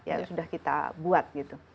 yang sudah kita buat gitu